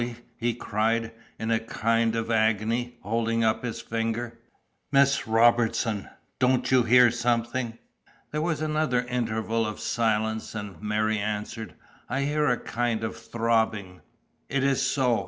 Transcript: he cried, in a kind of agony, holding up his finger. "Miss Robertson, don't you hear something?" There was another interval of silence, and Mary answered: "I hear a kind of throbbing." "It is so!"